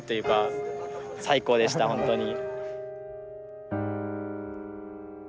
最高でしたほんとに。